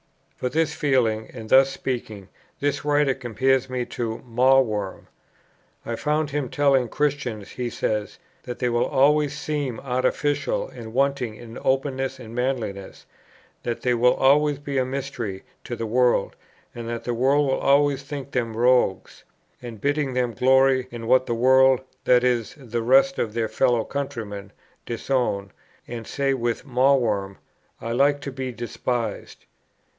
For this feeling and thus speaking this Writer compares me to "Mawworm." "I found him telling Christians," he says, "that they will always seem 'artificial,' and 'wanting in openness and manliness;' that they will always be 'a mystery' to the world; and that the world will always think them rogues; and bidding them glory in what the world (that is, the rest of their fellow countrymen) disown, and say with Mawworm, 'I like to be despised.'